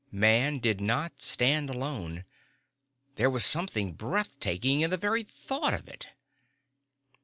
Man did not stand alone. There was something breath taking in the very thought of it.